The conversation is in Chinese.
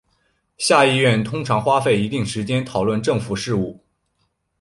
下议院通常花费一定时间讨论政府事务。